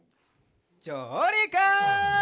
じょうりく！